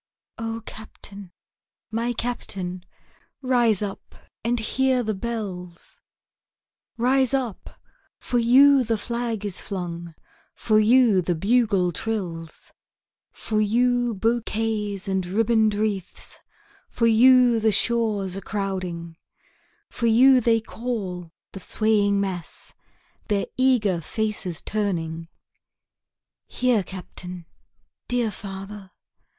O Captain! my Captain! rise up and hear the bells; Rise up for you the flag is flung for you the bugle trills, For you bouquets and ribbon'd wreaths for you the shores a crowding, For you they call, the swaying mass, their eager faces turning; Here Captain! dear father!